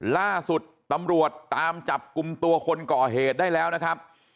ล่าสุดตำรวจตามจับกลุ่มตัวคนก่อเหตุได้แล้วนะครับ